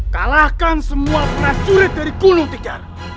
kalahkan semua prajurit dari gunung tenggar